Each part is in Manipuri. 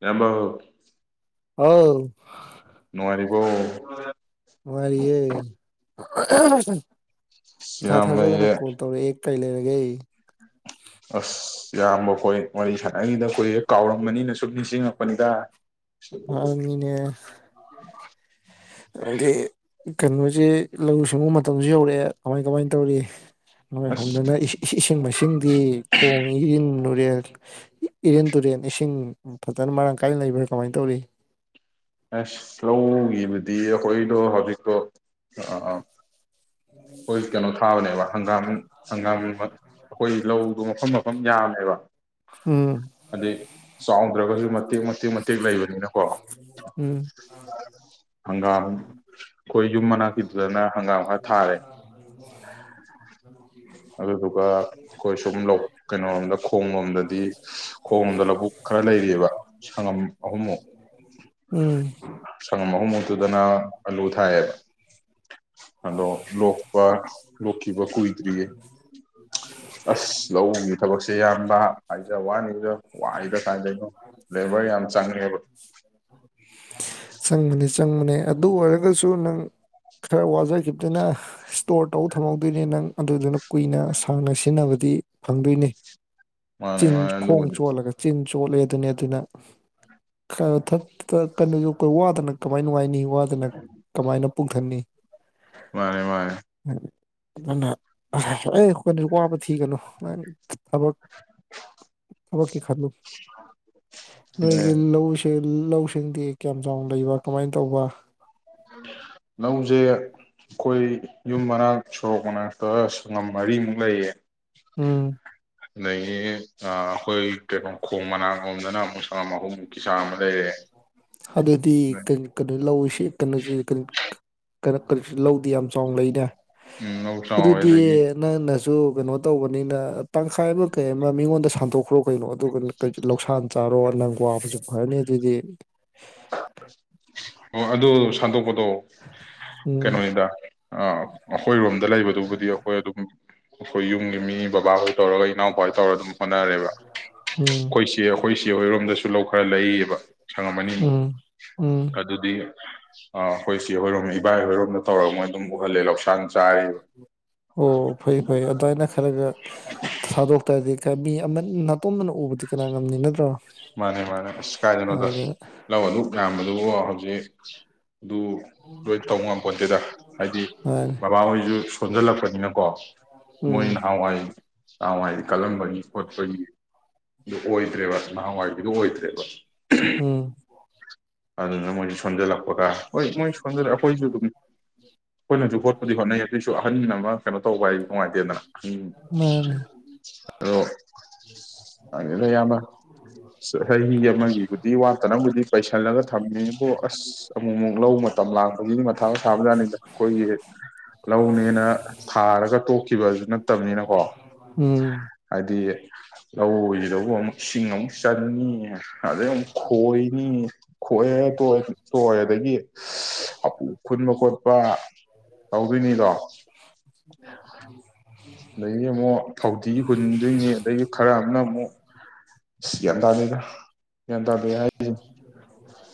ꯃꯝꯕꯣ ꯍꯥꯎ ꯅꯨꯡꯉꯔꯤꯔꯤꯕꯣ ꯃꯥꯔꯤꯑꯌꯦ [inaudible] ꯁꯤꯃꯌꯦ ꯀꯩ ꯂꯩꯔꯒꯦ ꯑꯁ ꯌꯥꯝꯌꯥꯝꯕ ꯍꯣꯏ ꯋꯥꯔꯤ ꯁꯥꯟꯅꯉꯗ ꯀꯨꯏꯦ ꯀꯥꯎꯔꯝꯕꯅꯤꯅ ꯁꯨꯝ ꯅꯤꯡꯁꯤꯡꯉꯛꯄꯅꯤꯗ ꯍꯔꯃꯤꯅꯦ ꯑꯗꯤ ꯀꯩꯅꯣꯁꯤ ꯂꯧꯎ ꯁꯤꯡꯎ ꯃꯇꯝꯁꯨ ꯌꯧꯔꯛꯑꯦ ꯀꯃꯥꯏ ꯀꯃꯥꯏꯅ ꯇꯧꯔꯤ ꯅꯣꯏ ꯑꯁ ꯍꯣꯝꯗꯅ ꯏꯁꯤꯡ ꯃꯥꯏꯁꯤꯡꯗꯤ ꯈꯣꯡ ꯏꯟ ꯨꯇꯨꯔꯦꯜ ꯏꯔꯤꯟ ꯇꯨꯔꯦꯟ ꯏꯁꯤꯡ ꯐꯖꯅ ꯃꯔꯥꯡ ꯀꯥꯏꯅ ꯂꯩꯕ ꯀꯃꯥꯏꯅ ꯇꯧꯔꯤ ꯑꯦꯁ ꯂꯧꯒꯤꯕꯨꯗꯤ ꯑꯩꯈꯣꯏꯗꯣ ꯍꯧꯖꯤꯛꯇꯣ ꯑ ꯍꯣꯏ ꯀꯩꯅꯣ ꯊꯥꯕꯅꯦꯕ ꯍꯪꯒꯥꯝ ꯍꯪꯒꯥꯝ ꯑꯩꯈꯣꯏ ꯂꯧꯗꯣ ꯃꯐꯝ ꯃꯐꯝ ꯌꯥꯝꯃꯦꯕ ꯎꯝ ꯑꯗꯩꯩ ꯆꯥꯎ ꯗ꯭ꯔꯒꯁꯨ ꯃꯇꯦꯛ ꯃꯇꯦꯛ ꯃꯇꯦꯛ ꯂꯩꯕ ꯅꯀꯣ ꯎꯝ ꯍꯪꯒꯥꯝ ꯑꯩꯈꯣꯏ ꯌꯨꯝ ꯃꯅꯥꯛꯀꯤꯗꯨꯗꯅ ꯍꯪꯒꯥꯝ ꯈꯔ ꯊꯥꯔꯦ [inaudible] ꯑꯗꯨꯗꯨꯒ ꯑꯩꯈꯣꯏ ꯁꯨꯝ ꯂꯧ ꯀꯩꯅꯣꯔꯣꯝꯗ ꯈꯣꯡꯕ ꯂꯣꯝꯗ ꯗꯤ ꯈꯣꯡꯗ ꯂꯧꯕꯨꯛ ꯈꯔ ꯂꯩꯔꯤꯑꯕ ꯁꯪꯉꯝ ꯑꯍꯨꯝꯃꯨꯛ ꯎꯝ [unintelligible] ꯑꯍꯨꯝꯃꯨꯛꯇꯨꯗꯅ ꯑꯂꯨ ꯊꯥꯏꯑꯕ ꯑꯗꯣ ꯂꯣꯛꯄ ꯂꯣꯛꯈꯤꯕ ꯀꯨꯏꯗ꯭ꯔꯤꯌꯦ ꯑꯁ ꯂꯧꯒꯤ ꯊꯕꯛꯁꯦ ꯏꯌꯥꯝꯕ ꯍꯥꯏꯖ ꯋꯥꯅꯤꯗ ꯋꯥꯏꯗ ꯀꯥꯏꯗꯩꯩꯅꯣ ꯂꯦꯕꯔ ꯌꯥꯝ ꯆꯪꯉꯦꯕ ꯆꯪꯕꯅꯦ ꯆꯪꯕꯅꯦ ꯑꯗꯨ ꯑꯣꯏꯔꯒꯁꯨ ꯅꯪ ꯈꯔ ꯋꯥꯖꯈꯤꯗꯨꯅ ꯏꯁꯇꯣꯔ ꯇꯧ ꯊꯝꯍꯧꯗꯣꯏꯅꯦ ꯅꯪ ꯑꯗꯨꯗꯨꯅ ꯀꯨꯏꯅ ꯁꯥꯡꯅ ꯁꯤꯖꯤꯟꯅꯕꯗ ꯗꯤ ꯐꯪꯗꯣꯏꯅꯤ ꯃꯥꯅꯦ ꯆꯤꯟ ꯃꯥꯅꯦ ꯈꯣꯡ ꯑꯗꯨꯕꯨꯗꯤ ꯆꯣꯠꯂꯒ ꯆꯤꯟ ꯆꯣꯠꯂꯦ ꯑꯗꯨꯅꯤ ꯑꯗꯨꯅ ꯈꯔ ꯊꯛꯇ ꯀꯩꯅꯣ ꯌ [unintelligible] ꯋꯥꯗꯅ ꯀꯃꯥꯏꯅ ꯅꯨꯡꯉꯥꯏꯅꯤ ꯋꯥꯗꯅ ꯀꯃꯥꯏꯅ ꯄꯨꯛ ꯊꯟꯅꯤ ꯃꯥꯅꯦ ꯃꯥꯅꯦ ꯑꯗꯨꯅ ꯑꯦ [unintelligible] ꯋꯥꯕ ꯊꯤꯒꯅꯨ ꯊꯕꯛ ꯊꯕꯛꯀꯤ ꯈꯜꯂꯨ ꯑꯗꯨꯅꯦ ꯅꯣꯏꯒꯤ ꯂꯧꯁꯦ ꯂꯧꯁꯤꯡꯗꯤ ꯀꯌꯥꯝ ꯆꯥꯎꯅ ꯂꯩꯕ ꯀꯃꯥꯏꯅ ꯇꯧꯕ ꯂꯧꯁꯦ ꯑꯩꯈꯣꯏ ꯌꯨꯝ ꯃꯅꯥꯛ ꯁꯣꯔꯣꯛ ꯃꯅꯥꯛꯇ ꯁꯡꯉꯝ ꯃꯔꯤꯃꯨꯛ ꯂꯩꯌꯦ ꯎꯝ ꯑꯗꯒꯤ ꯑꯥ ꯑꯩꯈꯣꯏ ꯀꯩꯅꯣ ꯈꯣꯡ ꯃꯅꯥꯛ ꯂꯣꯝꯗꯅ ꯑꯃꯨꯛ ꯁꯪꯉꯝ ꯑꯍꯨꯝ ꯑꯗꯨꯗꯤ ꯀꯩꯅ ꯀꯩꯅꯣ ꯂꯧꯁꯤ ꯀꯩꯅꯣꯁꯦ ꯀꯩꯅꯣ ꯀꯩꯅ ꯀꯔꯤ ꯂꯧꯗꯤ ꯌꯥꯝ ꯆꯥꯎꯅ ꯂꯩꯅꯦ ꯎꯝ ꯂꯧ ꯆꯥꯎꯋꯦ ꯑꯗꯨꯗꯤ ꯑꯗꯒꯤ ꯅꯪꯅ ꯁꯨ ꯀꯩꯅꯣ ꯇꯧꯕꯅꯤꯅ ꯇꯪꯈꯥꯏ ꯑꯃ ꯀꯩ ꯑꯃ ꯃꯤꯉꯣꯟꯗ ꯁꯥꯟꯗꯣꯛꯈ꯭ꯔꯣ ꯀꯩꯅꯣ ꯑꯗꯨꯒ ꯀꯩ ꯂꯧꯁꯥꯟ ꯆꯥꯔꯣ ꯅꯪ ꯀꯣꯁꯨ ꯈꯔꯅꯤ ꯑꯗꯨꯗꯤ ꯑꯣ ꯑꯗꯨ ꯁꯥꯟꯗꯣꯛꯀ ꯑꯣ ꯎꯝ ꯀꯩꯅꯣꯅꯤꯗ ꯑꯩꯈꯣꯏꯔꯣꯝꯗ ꯂꯩꯕꯗꯨꯕꯨꯗꯤ ꯑꯩꯈꯣꯏ ꯑꯗꯨꯝ ꯑꯩꯈꯣꯏ ꯌꯨꯝꯒꯤ ꯃꯤ ꯕꯕꯥ ꯍꯣꯏ ꯇꯧꯔꯒ ꯏꯅꯥꯎꯄꯥꯁꯤ ꯇꯧꯔꯒ ꯑꯗꯨꯝ ꯍꯣꯠꯅꯔꯦꯕ ꯎꯝ ꯑꯩꯈꯣꯏꯁꯦ ꯑꯩꯈꯣꯏ ꯖ ꯍꯣꯏꯔꯣꯝꯗꯁꯨ ꯂꯧ ꯈꯔ ꯂꯩꯌꯦꯕ ꯁꯪꯉꯝꯃꯅꯤ ꯑꯃꯨꯛ ꯎꯝ ꯎꯝ ꯀꯗꯨꯗꯤ ꯑ ꯑꯩꯈꯣꯏ ꯁꯤ ꯍꯣꯏꯔꯣꯝ ꯏꯕꯥꯏ ꯍꯣꯏꯔꯣꯝꯗ ꯇꯧꯔꯒ ꯃꯣꯏ ꯑꯗꯨꯝ ꯎꯍꯜꯂꯦ ꯂꯧꯁꯥꯡ ꯆꯥꯔꯤꯕ ꯑꯣ ꯐꯩ ꯐꯩ ꯑꯗꯨꯃꯥꯏꯅ ꯈꯔꯒ ꯁꯗꯣꯛ ꯇ ꯕꯤ ꯑꯃ ꯅꯥꯇꯣꯝꯝꯕꯅ ꯎꯕꯗꯤ ꯀꯅꯥ ꯉꯝꯅꯤ ꯅꯠꯇ꯭ꯔꯣ ꯃꯥꯅꯦ ꯃꯥꯅꯦ ꯑꯁ ꯀꯥꯏꯗꯅꯣꯗ ꯑꯗꯨ ꯂꯧ ꯑꯗꯨ ꯌꯥꯝꯌꯥꯝꯕꯗ ꯑꯗꯨ ꯍꯧꯖꯤꯛ ꯑꯗꯨ ꯂꯣꯏ ꯇꯧꯕ ꯉꯝꯄꯣꯠꯇꯦꯗ ꯍꯥꯏꯗꯤ ꯃꯥꯅꯤ ꯕꯕꯥꯍꯣꯏꯁꯨ ꯁꯣꯟꯖꯜꯂꯛꯄꯅꯤꯅꯀꯣ ꯎꯝ ꯃꯣꯏ ꯅꯍꯥꯟꯋꯥꯏ ꯀꯥ ꯍꯥꯏꯗꯤ ꯀꯜꯂꯝꯕꯒꯤ ꯈꯣꯠꯄꯒꯤ ꯑꯗꯨ ꯑꯣꯏꯗ꯭ꯔꯦꯕ ꯅꯍꯥꯟꯋꯥꯏꯕꯤꯗꯨꯣ ꯑꯣꯏꯗ꯭ꯔꯦꯕ ꯎꯝ ꯑꯗꯨ ꯃꯅꯤ ꯁꯣꯟꯖꯜꯂꯛꯄꯒ ꯍꯣꯏ ꯃꯣꯏ ꯁꯣꯟꯖꯜꯂꯛ ꯑꯩꯈꯣꯏꯁꯨ ꯑꯗꯨꯝ ꯑꯩꯈꯣꯏꯅꯁꯨ ꯍꯣꯠꯄꯗꯤ ꯍꯣꯠꯅꯩ ꯑꯗꯨꯏꯁꯨ ꯑꯍꯟ ꯑꯃ ꯀꯩꯅꯣ ꯇꯧꯕ ꯍꯥꯏꯁꯨ ꯅꯨꯡꯉꯥꯏꯇꯦꯗꯅ ꯃꯥꯅꯤ ꯎꯝ ꯑꯗꯣꯪꯅꯌꯥꯝꯕ ꯆꯍꯤ ꯑꯃꯒꯤꯕꯨꯗꯤ ꯋꯥꯠꯇꯅꯕꯨꯗꯤ ꯄꯩꯁꯥ ꯈꯜꯂꯒ ꯊꯝꯃꯦꯕꯨ ꯑꯁ ꯑꯃꯨꯛ ꯑꯃꯨꯛ ꯂꯧ ꯃꯇꯝ ꯂꯥꯡꯄꯒꯤ ꯃꯊꯥ ꯁꯥꯕꯖꯥꯠꯅꯤꯗ ꯑꯩꯈꯣꯏꯒꯤ ꯂꯧꯅꯦꯅ ꯊꯥꯔꯒ ꯇꯣꯛꯈꯤꯕꯗꯨ ꯅꯠꯇ ꯀ ꯎꯝ ꯍꯥꯏꯗꯤ ꯂꯧꯁꯤꯗꯧꯕ ꯑꯃꯨꯛ ꯏꯁꯤꯡ ꯑꯃꯨꯛ ꯆꯟꯅꯤ ꯑꯗꯩ ꯑꯃꯨꯛ ꯈꯣꯏꯅꯤ ꯈꯣꯛꯑꯦ ꯇꯣꯛꯑꯦ ꯇꯣꯛꯑꯦ ꯑꯗꯒꯤꯄꯨ ꯈꯨꯟꯕ ꯈꯣꯠꯄ ꯇꯧꯗꯣꯏꯅꯤꯗꯣ ꯑ ꯑꯗꯒꯤ ꯑꯃꯨꯛ ꯐꯧꯗꯤ ꯍꯨꯟꯗꯣꯏꯅꯤ ꯑꯗꯒꯤ ꯈꯔ ꯑꯃꯅ ꯑꯃꯨꯛ ꯑꯁ ꯒ꯭ꯌꯥꯟ ꯇꯥꯗꯦꯗ ꯒ꯭ꯌꯥꯟ ꯇꯥꯗꯦ ꯍꯥꯏꯁꯦ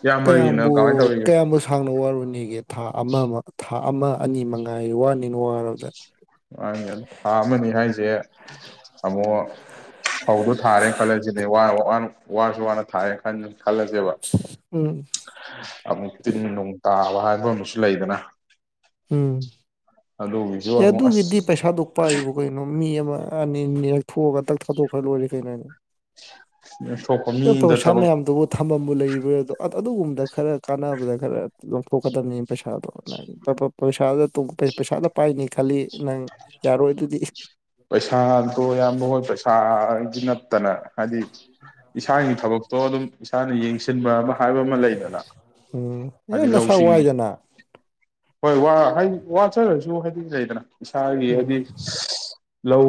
ꯏꯌꯥꯝꯕꯒꯤꯅ ꯀꯌꯥꯝꯕꯨ ꯀꯃꯥꯏꯅ ꯇꯧꯔꯤꯒꯦ ꯀꯌꯥꯝꯕꯨ ꯁꯥꯡꯅ ꯋꯥꯔꯨꯅꯤꯒꯦ ꯊꯥ ꯑꯃ ꯑꯃ ꯊꯥ ꯑꯃ ꯑꯅꯤ ꯃꯉꯥꯏ ꯋꯥꯅꯤꯅ ꯋꯥꯔꯕꯗ ꯃꯥ ꯊꯥ ꯑꯃꯅꯤ ꯍꯥꯏꯁꯦ ꯁ ꯑꯃꯕꯨ ꯐꯧꯗꯨ ꯊꯥꯔꯦꯅ ꯈꯜꯂꯁꯤꯅꯦ ꯋꯔꯦ ꯋꯥꯅ ꯋꯔꯁꯨ ꯋꯥꯅ ꯊꯥꯔꯦꯅ ꯈꯜꯂ ꯈꯜꯂꯁꯦꯕ ꯎꯝ ꯑꯃꯨꯛ ꯇꯤꯟ ꯅꯨꯡ ꯇꯥꯕ ꯍꯥꯏꯕ ꯑꯃꯁꯨ ꯂꯩꯗꯅ ꯎꯝ ꯑꯗꯨꯒꯤꯁꯨ ꯑꯦ ꯑꯃꯨꯛ ꯑꯗꯨꯒꯤꯗꯤ ꯑꯁ ꯄꯩꯁꯥꯗꯨꯛ ꯄꯥꯏꯕꯨ ꯀꯩꯅꯣ ꯃꯤ ꯑꯃꯥ ꯑꯥ ꯅꯦꯛ ꯅꯦꯛ ꯊꯣꯛꯑꯒ ꯇꯛ ꯊꯥꯠꯇꯣꯛꯈ꯭ꯔ ꯂꯣꯏꯔꯦ ꯀꯩꯅꯣꯅꯤ ꯊꯣꯛꯄ ꯅꯪ ꯃꯤꯗ ꯄꯩꯁꯥ ꯊꯕꯛ ꯃꯌꯥꯝꯗꯨꯕꯨ ꯊꯝꯃꯝꯕꯨ ꯂꯩꯕ꯭ꯔꯥ ꯑꯗꯣ ꯑꯗꯨꯒꯨꯝꯕ ꯈꯔ ꯀꯥꯟꯅꯕꯗ ꯈꯔ ꯂꯧꯊꯣꯛꯀꯗꯕꯅꯦ ꯄꯩꯁꯥꯗꯣ ꯅꯪꯒꯤ ꯄꯞ ꯄꯥꯞ ꯄꯩꯁꯥ ꯄꯩꯁꯥꯗ ꯄꯥꯏꯅꯤ ꯈꯜꯂꯤ ꯅꯪ ꯌꯥꯔꯣꯏ ꯑꯗꯨꯗꯤ ꯒꯤ ꯅꯠꯇꯅ ꯍꯥꯏꯗꯤ ꯏꯁꯥꯒꯤ ꯊꯕꯛꯇꯣ ꯑꯗꯨꯝ ꯏꯁꯥꯅ ꯌꯦꯡꯁꯤꯟꯕ ꯑꯃ ꯍꯥꯏꯕ ꯑꯃ ꯂꯩꯗꯅ ꯎꯝ ꯑꯦ ꯍꯥꯏꯗꯤ ꯅꯁꯥ ꯂꯧꯁꯤꯡ ꯋꯥꯏꯗꯅ ꯍꯣꯏ ꯋꯥ ꯋꯥꯆꯈ꯭ꯔꯁꯨ ꯍꯥꯏꯗꯤ ꯂꯩꯗꯅ ꯏꯁꯥꯒꯤ ꯎꯝ ꯍꯥꯏꯗꯤ ꯂꯧ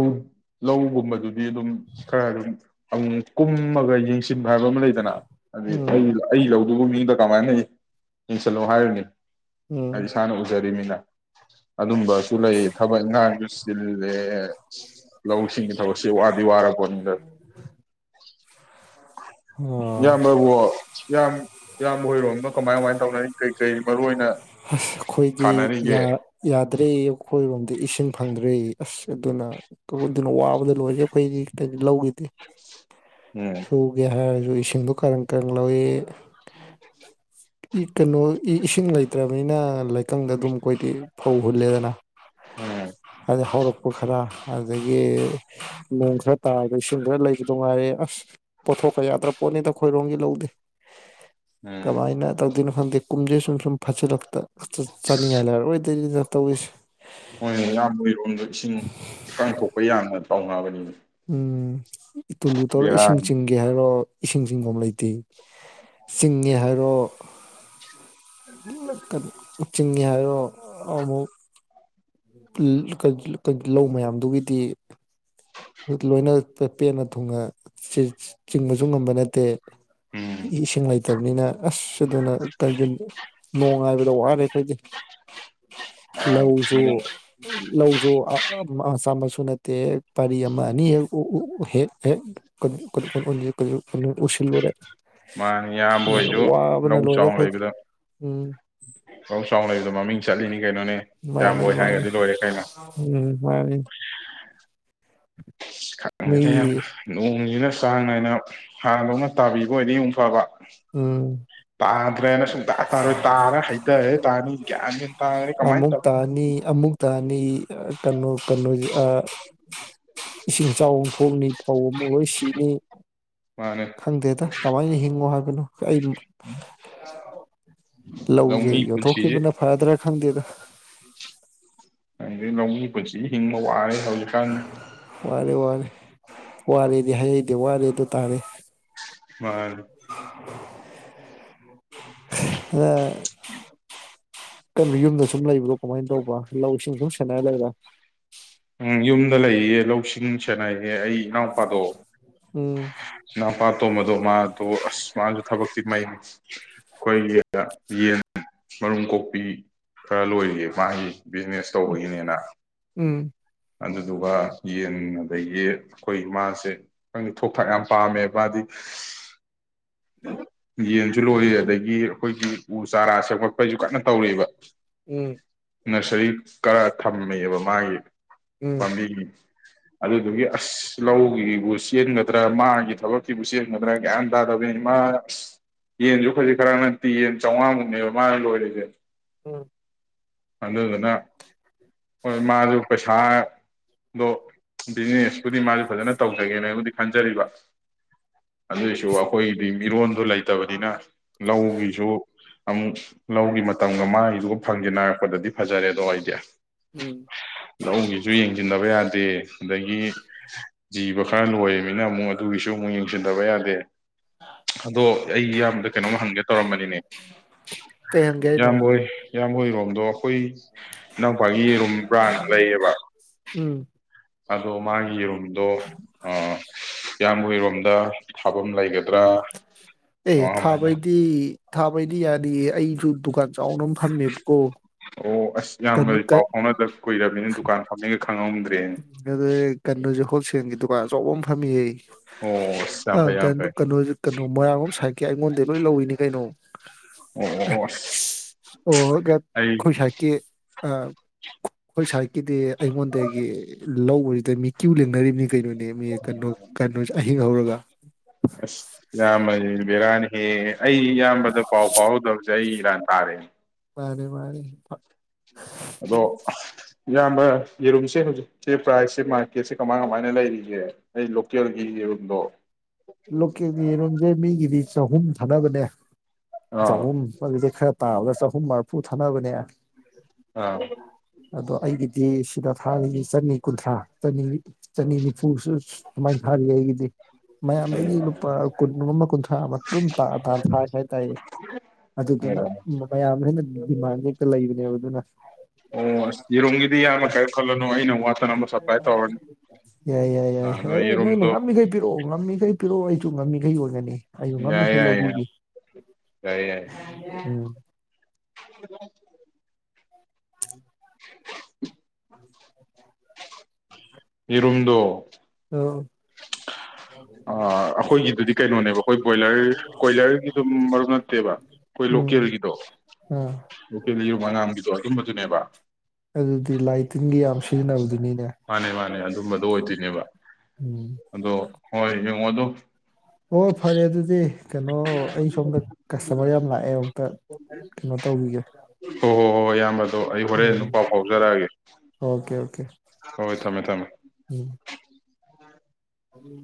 ꯂꯧꯒꯨꯝꯕꯗꯨꯗꯤ ꯑꯗꯨꯝ ꯈꯔ ꯑꯗꯨꯝ ꯑꯃꯨ ꯀꯨꯝꯃꯒ ꯌꯦꯡꯁꯤꯟꯕ ꯍꯥꯏꯕ ꯑꯃ ꯂꯩꯗꯅ ꯍꯥꯏꯗꯤ ꯎꯝ ꯑꯩ ꯑꯩ ꯂꯧ ꯑꯗꯨꯕꯨ ꯃꯤꯗ ꯀꯃꯥꯏꯅ ꯌꯦꯡꯁꯜꯂꯣ ꯍꯥꯏꯔꯨꯅꯤ ꯍꯥꯏꯗꯤ ꯎꯝ ꯏꯁꯥꯅ ꯌꯨꯖꯔꯤꯃꯤꯟ [inaudible] ꯑꯗꯨꯝꯕꯁꯨ ꯂꯩ ꯊꯕꯛ ꯏꯟꯈꯥꯡꯁꯨ ꯆꯤꯜꯂꯦ ꯂꯧꯎ ꯁꯤꯡꯒꯤ ꯊꯕꯛꯁꯦ ꯋꯥꯗꯤ ꯋꯥꯔꯄꯣꯠꯅꯤꯗ ꯑꯣ ꯏꯌꯝꯕꯥꯕꯨ ꯌꯥꯝ ꯏꯌꯥꯝ ꯍꯣꯏꯔꯣꯝꯗ ꯀꯃꯥꯏ ꯀꯃꯥꯏꯅ ꯇꯧꯅꯔꯤ ꯀꯩ ꯀꯔꯤ ꯃꯔꯨ ꯑꯣꯏꯅ ꯑꯁ ꯑꯩꯈꯣꯏꯗꯤ ꯊꯥꯅꯔꯤꯒꯦ ꯌꯥꯗ꯭ꯔꯦ ꯑꯩꯈꯣꯏꯔꯣꯝ ꯑ ꯏꯁꯤꯡ ꯐꯪꯗ꯭ꯔꯦ ꯑꯁ ꯑꯗꯨꯅ [unintelligible] ꯋꯥꯕꯅ ꯂꯣꯏꯔꯦ ꯑꯩꯈꯣꯏ ꯂꯧ ꯎꯝ ꯁꯨꯒꯦ ꯍꯥꯏꯔ ꯑꯗꯨ ꯏꯁꯤꯡꯗꯣ ꯀꯔꯝ ꯀꯔ ꯂꯧꯏ ꯀꯩꯅꯣ ꯏꯁꯤꯡ ꯂꯩ ꯐꯠꯇ꯭ꯔꯕꯅꯤꯅ ꯂꯩꯀꯪꯗ ꯑꯗꯨꯝ ꯑꯩꯈꯣꯏꯗꯤ ꯐꯧ ꯍꯨꯜꯂꯦꯗꯅ ꯎꯝ ꯍꯥꯏꯗꯤ ꯍꯧꯔꯛꯄ ꯈꯔ ꯑꯗꯨꯗꯒꯤ ꯅꯣꯡ ꯈꯔ ꯇꯥꯔꯒ ꯏꯁꯤꯡ ꯈꯔ ꯂꯩꯕ ꯅꯨꯡꯉꯥꯏꯔꯦ ꯑꯁ ꯄꯣꯠꯊꯣꯛꯀ ꯌꯥꯗ꯭ꯔ ꯄꯣꯠꯅꯤꯗ ꯈꯣꯏꯔꯣꯡꯝꯒꯤ ꯂꯧꯗꯦ ꯎꯝ ꯀꯃꯥꯏꯅ ꯇꯧ ꯈꯪꯗꯦ ꯀꯨꯝꯖꯦ ꯁꯨꯡꯁꯨꯝ ꯐꯆꯜꯛꯇ ꯑ ꯆꯥꯅꯤꯡꯉꯥꯏ ꯂꯩꯔꯦ ꯑꯣꯏꯗꯣꯏꯔꯤꯗ ꯇꯧꯏꯁ ꯍꯣꯏꯣꯏ ꯌꯥꯝꯃꯔꯣꯝꯗ ꯏꯁꯤꯡ ꯏꯀꯪ ꯊꯣꯛꯄ ꯌꯥꯅꯗ ꯄꯥꯎ ꯍꯥꯏꯕꯅꯤ ꯎꯝ ꯇꯨꯜꯂꯨ ꯇꯧꯔ ꯏꯁꯤꯡ ꯕꯦꯔꯥꯅꯤ ꯆꯤꯡꯒꯦ ꯍꯥꯏꯔꯣ ꯏꯁꯤꯡ ꯆꯤꯡꯐꯝ ꯂꯩꯇꯦ ꯆꯤꯡꯉꯦ ꯍꯥꯏꯔꯣ ꯆꯤꯡꯅꯤ ꯍꯥꯏꯣꯃꯨꯛ ꯂꯧ ꯃꯌꯥꯝꯗꯨꯒꯤꯗꯤ ꯂꯣꯏꯅ ꯄꯦꯟꯅ ꯊꯨꯡꯅ ꯆꯤꯡꯕꯁꯨ ꯉꯝꯕ ꯅꯠꯇꯦ ꯎꯝ ꯏꯁꯤꯡ ꯂꯩꯇꯕꯅꯤꯅ ꯑꯁ ꯑꯗꯨꯅ ꯅꯣꯡꯉꯥꯏꯕꯗ ꯋꯥꯔꯦ ꯑꯩꯈꯣꯏꯗꯤ ꯃꯥꯅꯤ ꯂꯧꯧꯖ ꯅꯣꯡ ꯂꯧꯁꯨ ꯆꯥꯝꯕꯁꯨ ꯅꯠꯇꯦ ꯄꯥꯔꯤ ꯑꯃꯅꯤ ꯍꯦꯛ ꯍꯦꯛ ꯍ ꯎꯁꯤꯜꯂꯦ ꯃꯥꯅꯤ ꯏꯌꯥꯝꯕꯣꯏꯁꯨ ꯂꯧ ꯂꯣꯏꯔꯦ ꯆꯥꯎꯅ ꯑꯩꯈꯣꯏꯗꯤ ꯂꯩꯕꯗ ꯎꯝ ꯂꯧ ꯆꯥꯎꯅ ꯂꯩꯕꯗ ꯃꯃꯤꯡ ꯆꯠꯂꯤꯅꯤ ꯀꯩꯅꯣꯅꯦ ꯃꯥꯅꯤ ꯏꯌꯥꯝꯕꯣꯏ ꯃꯥꯅꯤ ꯍꯥꯏꯔꯒꯗꯤ ꯂꯣꯏꯔꯦ ꯀꯩꯅꯣ ꯎꯝ ꯃꯥꯅꯤ ꯃꯤ ꯈꯪꯗ ꯌꯥꯝ ꯅꯣꯡꯁꯤꯅ ꯆꯥꯡ ꯅꯥꯏꯅ ꯍꯥꯟꯗꯧꯅ ꯇꯥꯕꯤꯕ ꯑꯣꯏꯅꯅꯤꯨꯝꯛ ꯐꯕ ꯎꯝ ꯇ ꯇꯗ꯭ꯔꯦꯅ ꯁꯨꯡ ꯇꯥꯔꯣꯏ ꯇꯥꯔ ꯍꯩꯊꯔꯦ ꯇꯥꯔꯅꯤ [unintelligible] ꯑꯃꯨꯛ ꯇꯥꯅꯤ ꯑꯃꯨꯛ ꯇꯥꯅꯤ ꯀꯩꯅꯣ ꯀꯩꯅꯣꯁ ꯏꯁꯤꯡ ꯏꯆꯥꯎ ꯊꯣꯛꯅꯤ ꯐ ꯂꯣꯏ ꯁꯤꯅꯤ ꯃꯥꯅꯦ ꯈꯪꯗꯦꯗ ꯀꯃꯥꯏꯅ ꯍꯤꯡꯉꯣ ꯍꯥꯏꯕꯅꯣ ꯑꯩ ꯂꯧꯁꯦ ꯂꯧꯃꯤ ꯄꯨꯟꯁꯤꯁꯦ ꯌꯣꯟꯊꯣꯛꯈꯤꯕꯅ ꯐꯗ꯭ꯔꯥ ꯗꯗ ꯑꯗꯩ ꯂꯧꯃꯤ ꯄꯨꯟꯁꯤ ꯍꯤꯡꯕ ꯋꯥꯔꯦ ꯍ ꯈꯥꯟ ꯕꯜ ꯋꯥ ꯄꯨꯋꯥꯔꯗꯤ ꯍꯥꯏꯦ ꯗꯤ ꯋꯥꯔꯦ ꯑꯗꯨ ꯇꯥꯔꯦ ꯃꯥ [unintelligible] ꯑ ꯀꯩꯅꯣ ꯌꯨꯝꯗ ꯁꯨꯝ ꯂꯩꯕ꯭ꯔꯣ ꯀꯃꯥꯏꯅ ꯇꯧꯕ ꯂꯧ ꯏꯁꯤꯡ ꯁꯨꯝ ꯁꯦꯟꯅꯔ ꯂꯩꯔ ꯎꯝ ꯌꯨꯝ ꯗ ꯂꯩꯌꯦ ꯂꯧꯁꯤꯡ ꯁꯦꯅꯥꯏ ꯑꯦ ꯑꯩ ꯏꯅꯥꯎꯄꯥꯗꯣ ꯎꯝ ꯄꯥꯇꯣꯝꯕꯗꯣ ꯃꯥꯗꯣ ꯑꯁ ꯃꯥꯅꯁꯨ ꯊꯕꯛꯇꯤ ꯃꯩ ꯑꯩꯈꯣꯏꯒꯤ ꯌꯦꯟ ꯃꯔꯨꯝ ꯀꯣꯛꯄꯤ ꯈꯔ ꯂꯣꯏꯔꯤꯌꯦ ꯃꯥꯒꯤ ꯕꯤꯖꯤꯅꯦꯁ ꯇꯧꯕꯒꯤꯅꯦꯅ ꯎꯝ ꯑꯗꯨꯗꯨꯒ ꯌꯦꯟ ꯑꯗꯒꯤ ꯑꯩꯈꯣꯏ ꯃꯥꯁꯦ ꯈꯪꯗꯦ ꯊ ꯊꯥꯛ ꯌꯥꯝ ꯄꯥꯝꯃꯦ ꯃꯥꯗꯤ ꯌꯦꯟꯁꯨ ꯂꯣꯏꯔꯤ ꯑꯗꯒꯤ ꯑꯩꯈꯣꯏꯒꯤ ꯎ ꯆꯥꯔꯥ ꯁꯦꯝꯒꯠꯄꯩꯁꯨ ꯀꯟꯅ ꯇꯧꯔꯤꯕ ꯎꯝ꯫ ꯅꯁꯔꯤ ꯈꯔ ꯊꯝꯃꯦꯕ ꯃꯥꯒꯤ ꯎꯝ ꯆ ꯑꯗꯨꯗꯨꯒꯤ ꯑꯁ ꯂꯧꯒꯤꯕꯨ ꯆꯦꯟꯒꯗ꯭ꯔꯥ ꯃꯥꯒꯤ ꯊꯕꯛꯀꯤꯕꯨ ꯆꯦꯟꯒꯗ꯭ꯔꯥ ꯒꯌ꯭ꯥꯟ ꯇꯥꯗꯕꯅꯤ ꯃꯥ ꯑꯁ ꯌꯦꯟꯁꯨ ꯈꯖꯤꯛ ꯈꯔ ꯅꯠꯇꯦ ꯌꯦꯟ ꯆꯥꯝꯃꯉꯥꯃꯨꯛꯅꯦꯕ ꯃꯥꯅ ꯂꯣꯏꯔꯤꯁꯦ ꯎ ꯑꯗꯨꯗꯨꯅ ꯍꯣꯏ ꯃꯥꯁꯨ ꯄꯩꯁꯥꯗꯣ ꯕꯤꯖꯤꯅꯦꯁꯄꯨꯗꯤ ꯃꯥꯁꯨ ꯐꯖꯅ ꯇꯧꯖꯒꯦꯅ ꯑꯩꯕꯨꯗꯤ ꯈꯟꯖꯔꯤꯕ ꯑꯗꯨꯗꯁꯨ ꯑꯩꯈꯣꯏꯗꯤ ꯃꯤꯔꯣꯟꯗꯨ ꯂꯩꯇꯕꯅꯤꯅ ꯂꯧꯒꯤꯁꯨ ꯑꯃꯨꯛ ꯂꯧꯒꯤ ꯃꯇꯝꯒ ꯃꯥꯏꯒꯤꯗꯨꯒ ꯐꯪꯖꯤꯟ ꯅꯥ ꯂꯄꯗꯗꯤ ꯐꯖꯔꯦꯗꯣ ꯑꯩꯗꯤ꯫ ꯎꯝ꯫ ꯂꯧꯒꯤꯁꯨ ꯌꯦꯡꯁꯤꯟꯗꯕ ꯌꯥꯗꯦ ꯑꯗꯒꯤ ꯖꯤꯕ ꯈꯔ ꯂꯣꯏꯔꯤꯝ ꯅꯤꯅꯥ ꯑꯃꯨꯛ ꯑꯗꯨꯒꯤꯁꯨ ꯑꯃꯨꯛ ꯌꯦꯡꯁꯤꯟꯗꯕ ꯌꯥꯗꯦ꯫ ꯑꯗꯣ ꯑꯩ ꯏꯌꯥꯝꯕꯗ ꯀꯩꯅꯣꯝ ꯍꯪꯒꯦ ꯇꯧꯔꯝꯕꯅꯤꯅꯦ ꯀꯩ ꯍꯪꯒꯦ ꯍꯥꯏꯅꯣ ꯏꯌꯥꯝꯕ ꯍꯣꯏ ꯏꯌꯥꯝ ꯕ ꯍꯣꯌ [unintelligible] ꯑꯩꯈꯣꯏ ꯏꯅꯥꯎꯄꯥꯒꯤ ꯌꯦꯔꯨꯝ ꯕ꯭ꯔꯥꯟ ꯂꯩꯌꯦꯕ ꯎꯝ꯫ ꯑꯗꯣ ꯃꯥꯒꯤ ꯌꯦꯔꯨꯝꯗꯣ ꯑ ꯏꯌꯥꯝꯕ ꯍꯣꯏꯔꯣꯝꯗ ꯊꯥꯐꯝ ꯂꯩꯒꯗ꯭ꯔꯥ ꯑꯦ ꯀꯃꯥꯏ ꯀꯃꯥꯏꯅ ꯊꯥꯕꯩꯗꯤ - ꯊꯥꯕꯩꯗꯤ ꯌꯥꯅꯤ ꯑꯩ ꯑꯗꯨ ꯗꯨꯀꯥꯟ ꯆꯥꯎꯅ ꯐꯪꯃꯦꯕꯀꯣ ꯑꯣ ꯫ ꯑꯁ ꯌꯥꯝꯕꯗꯤ ꯄꯥꯎ ꯐꯥꯎꯅꯗ꯭ꯔ ꯀꯨꯏꯔꯕꯅꯤ ꯗꯨꯀꯥꯟ ꯐꯝꯃꯤꯒꯥ ꯑ ꯑꯗꯨꯣ ꯀꯣꯖ ꯍꯣꯜ ꯁꯦꯟꯒꯤ ꯗꯨꯀꯥꯟ ꯑꯆꯧꯕ ꯑꯃ ꯐꯝꯃꯤꯌꯦ꯫ ꯑꯣ ꯑꯁ ꯑ ꯌꯥꯝ ꯐꯩ ꯌꯥꯝ ꯀꯩꯅ ꯐꯩ ꯀꯩꯅꯣ ꯀꯩꯅꯣ ꯃꯣꯏꯔꯥꯡ ꯂꯣꯝ ꯁꯥꯏꯀꯤ ꯑꯩꯉꯣꯟꯗꯩ ꯂꯣꯏ ꯂꯧꯏꯤꯅꯤ ꯀꯩꯅꯣ ꯑꯣ ꯑꯣ ꯑꯣ ꯑꯁ ꯑꯣ ꯑꯩ ꯑꯩꯈꯣꯏ ꯁꯥꯏꯠꯀꯦ ꯑꯩꯈꯣꯏ ꯁꯥꯏꯠꯀꯤꯗꯤ ꯑꯩꯉꯣꯟꯗꯒꯤ ꯂꯧꯕꯁꯤꯗ ꯃꯤ ꯀ꯭ꯌꯨ ꯂꯦꯡꯅꯔꯤꯕꯅꯤ ꯀꯩꯅꯣ ꯀꯣ ꯀꯣ ꯑꯍꯤꯡ ꯍꯧꯔꯒ ꯑ ꯑꯁ ꯌꯥꯝꯅꯤ ꯕꯤꯔꯅꯤ [unintelligible] ꯑꯦ ꯑꯩ ꯎꯝ ꯏꯌꯥꯝꯕꯗ ꯄꯥꯎ ꯐꯥꯎꯍꯧꯗꯕꯅꯦ ꯑꯩꯒꯤ ꯏꯔꯥꯜ ꯇꯥꯔꯦ ꯃꯥꯅꯦ ꯃꯥꯅꯦ ꯑꯗꯣ ꯏꯌꯥꯝꯕ ꯌꯦꯔꯨꯝꯁꯦ ꯍꯧꯖꯤꯛꯁꯦ ꯄ꯭ꯔꯥꯏꯖꯁꯦ ꯃꯥꯔꯀꯦꯠꯁꯦ ꯀꯃꯥꯏ ꯀꯃꯥꯏꯅ ꯂꯩꯔꯤꯒꯦ ꯑꯩ ꯂꯣꯀꯦꯜꯒꯤ ꯌꯦꯔꯨꯝꯗꯣ ꯂꯣꯀꯦꯜꯒꯤ ꯌꯦꯔꯨꯝꯖꯦ ꯃꯤꯒꯤꯗꯤ ꯆꯍꯨꯝ ꯊꯥꯅꯕꯅꯦ ꯑꯥ ꯑꯆꯧꯕꯝ [unintelligible] ꯇꯥꯕꯒ ꯆꯍꯨꯝ ꯃꯔꯐꯨ ꯊꯥꯅꯕꯅꯦ ꯑꯥ ꯑꯗꯣ ꯑꯩꯒꯤꯗꯤ ꯗꯤ ꯁꯤꯗ ꯊꯥꯗꯤ ꯆꯠꯅꯤ ꯀꯨꯟꯊ꯭ꯔꯥ ꯆꯅꯤ ꯅꯤꯐꯨꯁꯨ ꯁꯨꯃꯥꯏꯅ ꯊꯥꯔꯤ ꯑꯩꯒꯤꯗꯤ ꯃꯌꯥꯝꯗꯒꯤ ꯎꯝ ꯂꯨꯄꯥ ꯀꯨꯟ ꯑꯃ ꯀꯨꯟꯊ꯭ꯔꯥ ꯑꯃ ꯑꯗꯨꯝ ꯇꯥ ꯊꯥꯏ ꯍꯥꯏꯇꯥꯔꯦ ꯑꯗꯨꯗꯨꯅ ꯑꯣ ꯃꯌꯥꯝꯁꯤꯅ ꯗꯤꯃꯥꯟꯁꯦ ꯍꯦꯛꯇ ꯂꯩꯕꯅꯦꯕ ꯑꯗꯨꯅ ꯑꯣ ꯑꯁ ꯌꯦꯔꯨꯝꯒꯤꯗꯤ ꯏꯌꯥꯝꯕ ꯀꯩꯝ ꯈꯜꯂꯅꯨ ꯑꯩꯅ ꯋꯥꯠꯇꯅꯕ ꯁꯄ꯭ꯂꯥꯏ ꯇꯧꯔꯅꯤ ꯌꯥꯏ ꯌꯥꯏ ꯑ ꯌꯥꯏ ꯑꯗꯣ ꯑꯦ ꯅꯣꯏꯅ ꯌꯦꯔꯨꯝꯗꯣ ꯉꯝꯃꯤꯈꯩ ꯄꯤꯔꯛꯑꯣ ꯉꯝꯃꯤꯈꯩ ꯄꯤꯔꯛꯑꯣ ꯑꯩꯁꯨ ꯉꯝꯃꯤꯈꯩ ꯌꯣꯟꯒꯅꯤ ꯌꯥꯏ ꯌꯥꯏ ꯌꯥ ꯌꯥꯏ ꯌꯥꯏ ꯎꯝ ꯎꯝ ꯌꯦꯔꯨꯝ ꯗꯣ ꯑ ꯑ ꯑꯩꯈꯣꯏꯒꯤꯗꯨꯗꯤ ꯀꯩꯅꯣꯅꯦꯕ ꯑꯩꯈꯣꯏ ꯕꯣꯏꯂꯔ ꯀꯣꯏꯂꯔꯒꯤꯗꯨꯝ ꯃꯔꯨꯞ ꯅꯠꯇꯦꯕ ꯑꯩꯈꯣꯏ ꯎꯝ ꯂꯣꯀꯦꯜꯒꯤꯗꯣ ꯑꯥ ꯂꯣꯀꯦꯜ ꯌꯨꯝ ꯑꯉꯥꯡꯝꯒꯤꯗꯣ ꯑꯗꯨꯨꯝꯕꯗꯨꯅꯦꯕ ꯑꯗꯨꯗꯤ ꯂꯥꯏ ꯇꯤꯟꯒꯤ ꯌꯥꯝ ꯁꯤꯖꯤꯟꯅꯕꯗꯨꯅꯤꯅꯦ ꯃꯥꯅꯦ ꯃꯥꯅꯦ ꯑꯗꯨꯝꯕꯗꯣ ꯑꯣꯏꯗꯣꯏꯅꯦꯕ ꯎꯝ ꯑꯗꯣ ꯍꯣꯏ ꯌꯦꯡꯉꫭ ꯑꯗꯨ ꯑꯣ ꯐꯔꯦ ꯑꯗꯨꯗꯤ ꯀꯩꯅꯣ ꯑꯩ ꯁꯣꯝꯗ ꯀꯁꯇꯃꯔ ꯌꯥꯝ ꯂꯥꯛꯑꯦ ꯑꯃꯨꯛꯇ ꯀꯩꯅꯣ ꯇꯧꯕꯤꯒꯦ ꯍꯣ ꯍꯣ ꯍꯣꯏ ꯏꯌꯥꯝꯕ ꯑꯗꯣ ꯑꯩ ꯍꯣꯔꯦꯟ ꯎꯝ ꯑꯗꯨꯝ ꯄꯥꯎ ꯐꯥꯎꯖꯔꯛꯑꯒꯦ ꯑꯣꯀꯦ ꯑꯣꯀꯦ ꯍꯣꯏ ꯊꯝꯃꯦ ꯊꯝꯃꯦ ꯑꯗꯨ